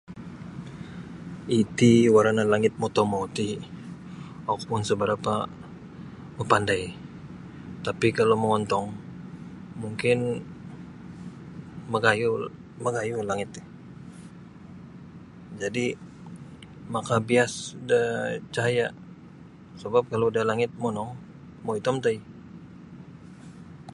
Iti warana langit motomou ti oku pun isa barapa mapandai tapi kalau mongontong mungkin magayuh magayuh langit ti jadi makabias da cahaya sebap kalau da langit monong maitom ntai.